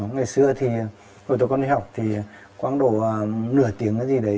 ngày xưa thì hồi tôi còn đi học thì quán đồ nửa tiếng cái gì đấy